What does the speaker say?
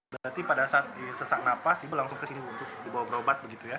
berarti pada saat sesak napas ibu langsung ke sini dibawa berobat begitu ya